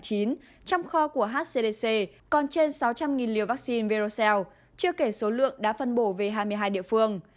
trong kho của hcdc còn trên sáu trăm linh liều vaccine virus chưa kể số lượng đã phân bổ về hai mươi hai địa phương